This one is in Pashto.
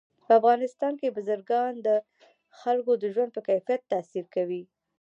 په افغانستان کې بزګان د خلکو د ژوند په کیفیت تاثیر کوي.